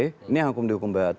ini harus dihukum banget